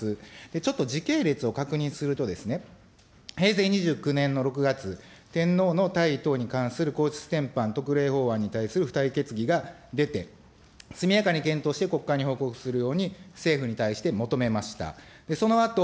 ちょっと時系列を確認するとですね、平成２９年の６月、天皇の退位等に関する皇室典範特例法案に対するふたい決議が出て、速やかに検討して国会に報告するように、政府に対して求めました。